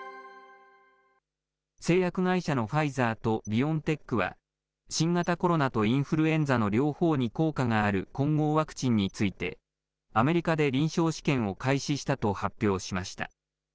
製薬会社のファイザーとビオンテックは、新型コロナとインフルエンザの両方に効果がある混合ワクチンについて、アメリカで臨床試験を開始したと発表しました。